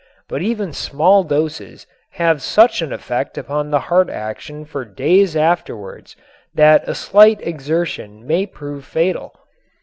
But even small doses have such an effect upon the heart action for days afterward that a slight exertion may prove fatal.